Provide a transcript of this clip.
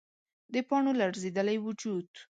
د پاڼو لړزیدلی وجود